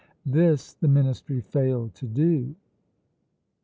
This the ministry failed to do.